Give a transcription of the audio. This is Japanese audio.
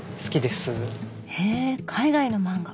へえ海外の漫画